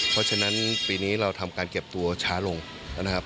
เพราะฉะนั้นปีนี้เราทำการเก็บตัวช้าลงนะครับ